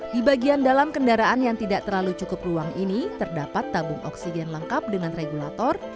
di bagian dalam kendaraan yang tidak terlalu cukup ruang ini terdapat tabung oksigen lengkap dengan regulator